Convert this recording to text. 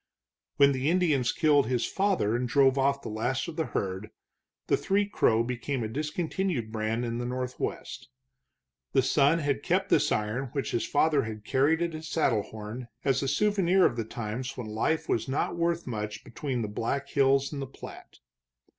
When the Indians killed his father and drove off the last of the herd, the Three Crow became a discontinued brand in the Northwest. The son had kept this iron which his father had carried at his saddle horn as a souvenir of the times when life was not worth much between the Black Hills and the Platte.